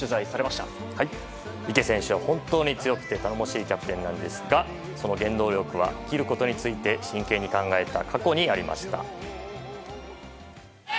池選手は本当に強くて頼もしいキャプテンなんですがその原動力は生きることについて真剣に考えた過去にありました。